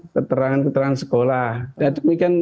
keterangan keterangan sekolah demikian